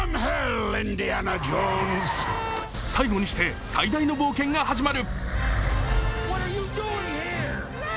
最後にして最大の冒険が始まる。